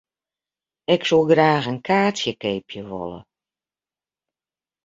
Ik soe graach in kaartsje keapje wolle.